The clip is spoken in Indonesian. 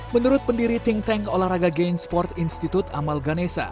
menurut pendiri think tank olahraga gainsport institute amal ganesa